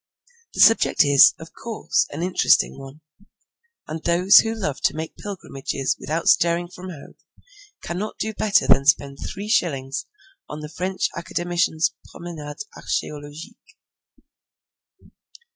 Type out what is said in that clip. The subject is, of course, a most interesting one, and those who love to make pilgrimages without stirring from home cannot do better than spend three shillings on the French Academician's Promenades Archeologiques.